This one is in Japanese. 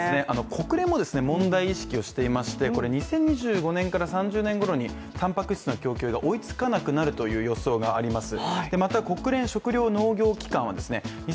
国連も問題意識をしていまして、２０２５年から３０年ごろにたんぱく質の供給が追いつかなくなるという予想があります。